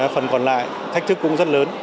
phần còn lại thách thức cũng rất lớn